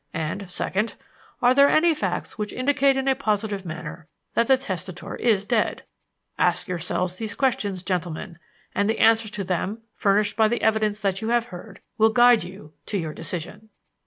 and second, Are there any facts which indicate in a positive manner that the testator is dead? Ask yourselves these questions, gentlemen, and the answers to them, furnished by the evidence that you have heard, will guide you to your decision."